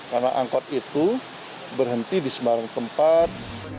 karena angkot itu berhenti di sembarang tempat